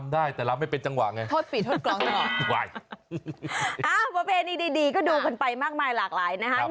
ดีก็ดูกันไปมากมายหลากหลายนะฮะ